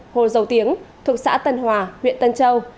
hồ dầu tiếng thuộc xã tân hòa huyện tân châu